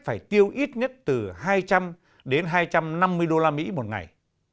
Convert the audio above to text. phải tiêu ít nhất từ hai trăm linh đến hai trăm năm mươi usd một ngày